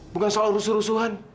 bukan soal rusuh rusuhan